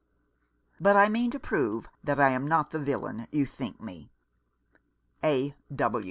"But I mean to prove that I am not the villain you think me. "A.